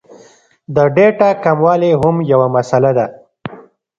د ډېټا کموالی هم یو مسئله ده